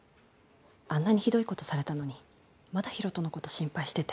あんなにひどいことされたのにまだ広斗のこと心配してて。